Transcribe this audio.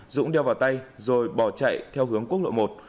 dũng đeo vào tay rồi bỏ chạy theo hướng quốc lộ một